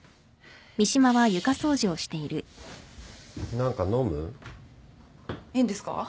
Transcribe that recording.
何か飲む？いいんですか？